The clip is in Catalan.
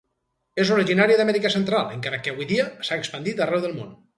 És originària d'Amèrica Central, encara que avui dia s'ha expandit arreu del món.